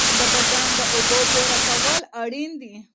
د بدن د اوبو پوره کول اړین دي.